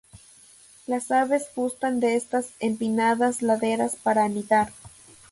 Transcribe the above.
Las aves gustan de estas empinadas laderas para anidar.